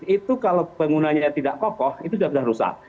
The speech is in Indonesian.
itu kalau bangunannya tidak kokoh itu sudah berusaha